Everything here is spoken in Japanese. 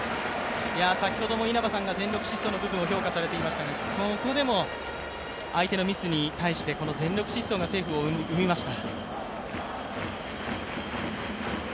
先ほども稲葉さんが全力疾走の部分を評価されていましたがここでも相手のミスに対して全力疾走がセーフを生みました。